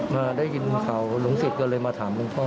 มาได้ยินข่าวลูกศิษย์ก็เลยมาถามล่มพ่อ